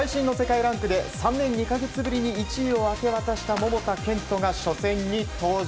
３年２か月ぶりに１位を明け渡した桃田賢斗が初戦に登場。